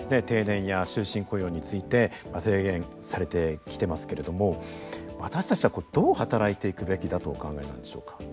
定年や終身雇用について提言されてきてますけれども私たちはどう働いていくべきだとお考えなんでしょうか。